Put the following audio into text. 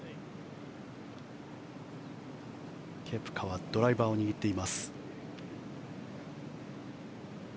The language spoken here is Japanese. ケプカはドライバーを握っています。